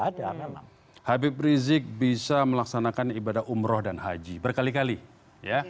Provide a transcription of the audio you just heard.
ada memang habib rizik bisa melaksanakan ibadah umroh dan haji berkali kali ya